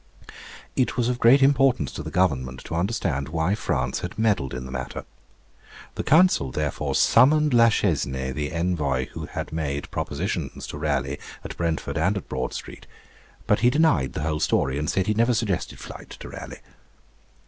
It was of great importance to the Government to understand why France had meddled in the matter. The Council, therefore, summoned La Chesnée, the envoy who had made propositions to Raleigh at Brentford and at Broad Street; but he denied the whole story, and said he never suggested flight to Raleigh.